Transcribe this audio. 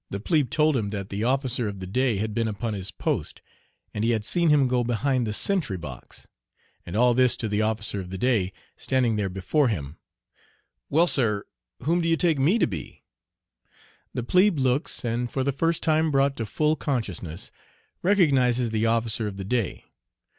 The plebe told him that the officer of the day had been upon his post, and he had seen him go behind the sentry box. And all this to the officer of the day, standing there before him, "Well, sir, whom do you take me to be?" The plebe looks, and for the first time brought to full consciousness, recognizes the officer of the day.